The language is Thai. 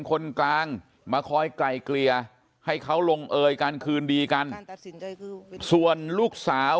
คนกลางมาคอยไกลเกลี่ยให้เขาลงเอยการคืนดีกันส่วนลูกสาว